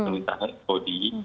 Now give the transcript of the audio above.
menurut saya kodi